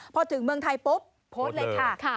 พอถึงเมืองไทยปุ๊บโพสต์เลยค่ะ